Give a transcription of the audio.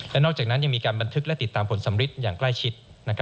และนอกจากนั้นยังมีการบันทึกและติดตามผลสำริดอย่างใกล้ชิด